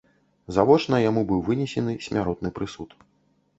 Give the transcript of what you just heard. Завочна яму быў вынесены смяротны прысуд.